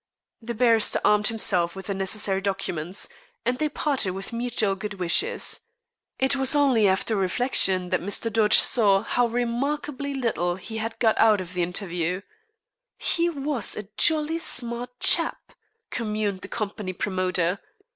The barrister armed himself with the necessary documents, and they parted with mutual good wishes. It was only after reflection that Mr. Dodge saw how remarkably little he had got out of the interview. "He was a jolly smart chap," communed the company promoter.